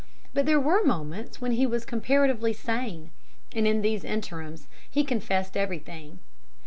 But there were moments when he was comparatively sane, and in these interims he confessed everything.